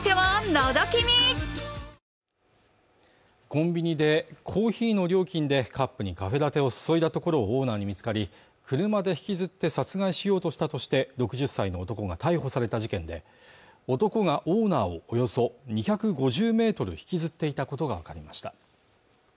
コンビニでコーヒーの料金でカップにカフェラテを注いだところをオーナーに見つかり車で引きずって殺害しようとしたとして６０歳の男が逮捕された事件で男がオーナーをおよそ２５０ｍ引きずっていたことが分かりました